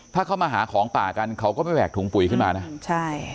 ถ้าเขามาหาของป่ากันเขาก็ไม่แหวกถุงปุ๋ยขึ้นมานะใช่